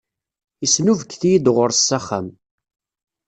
Yesnubget-iyi-d ɣur-s s axxam.